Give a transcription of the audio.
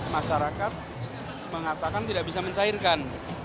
masyarakat mengatakan tidak bisa mencairkan